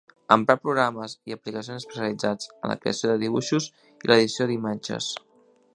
Emprar programes i aplicacions especialitzats en la creació de dibuixos i l'edició d'imatges.